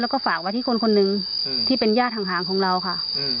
แล้วก็ฝากไว้ที่คนคนหนึ่งที่เป็นญาติห่างของเราค่ะ